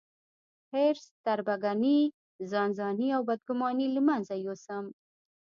حرص، تربګني، ځانځاني او بدګوماني له منځه يوسم.